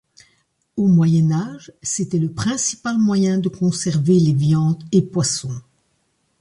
Au Moyen Âge, c'était le principal moyen de conserver les viandes et poissons.